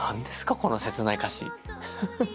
この切ない歌詞。